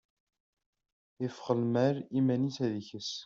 Iffeɣ lmal iman-is ad ikes.